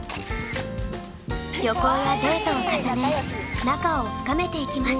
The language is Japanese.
旅行やデートを重ね仲を深めていきます。